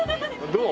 どう？